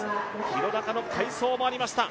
廣中の快走もありました。